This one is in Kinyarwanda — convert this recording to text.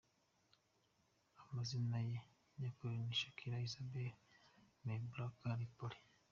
Amazina ye nyakuri ni Shakira Isabel Mebarak Ripoll.